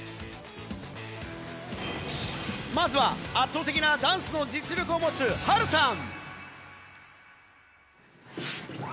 まずは圧倒的なダンスの実力を持つハルさん。